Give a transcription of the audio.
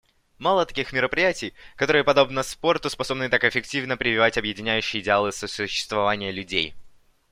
Мало таких мероприятий, которые подобно спорту способны так эффективно прививать объединяющие идеалы сосуществования людей.